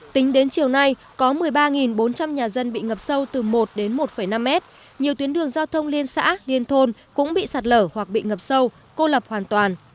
tính đến chiều nay có một mươi ba bốn trăm linh nhà dân bị ngập sâu từ một đến một năm mét nhiều tuyến đường giao thông liên xã liên thôn cũng bị sạt lở hoặc bị ngập sâu cô lập hoàn toàn